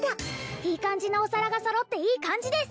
いい感じのお皿が揃っていい感じです